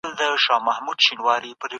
علم د خبرو د لارې نورو ته لېږدول سوی دی.